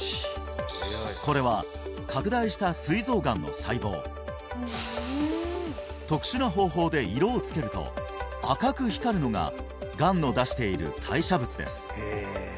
これは拡大した特殊な方法で色を付けると赤く光るのががんの出している代謝物です